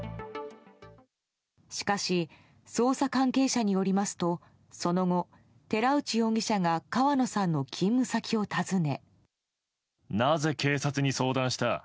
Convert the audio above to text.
しかし、捜査関係者によりますとその後、寺内容疑者が川野さんの勤務先を訪ね。